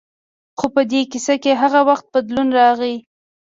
خو په دې کیسه کې هغه وخت بدلون راغی.